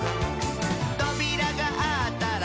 「とびらがあったら」